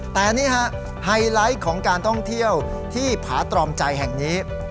แต่นี่ฮะไฮไลท์ของการท่องเที่ยวที่ผาตรอมใจแห่งนี้